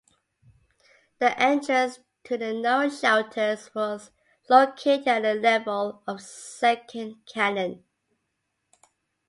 The entrance to the known shelters was located at the level of second cannon.